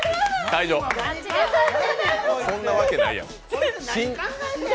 退場、そんなわけないやん。